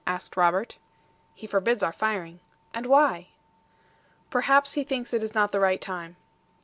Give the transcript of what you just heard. asked Robert. "He forbids our firing." "And why?" "Perhaps he thinks it is not the right time."